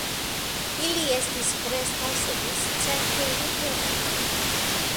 Ili estis preskaŭ senescepte luteranoj.